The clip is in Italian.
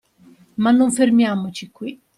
Ma non fermiamoci qui.